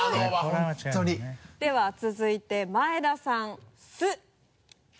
では続いて前田さん「す」